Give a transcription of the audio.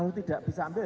kalau tidak bisa ambil